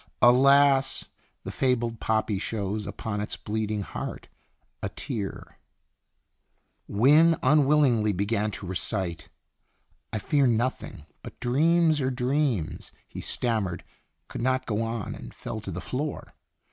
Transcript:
Alas ! the fabled poppy shows Upon its bleeding heart a tear ! Wynne unwillingly began to recite: "'I fear nothing, but dreams are dreams '" He stammered, could not go on, and fell to the floor.